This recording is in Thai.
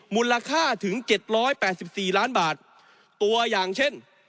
มูลค่าถึง๗๘๔ล้านบาทตัวอย่างเช่น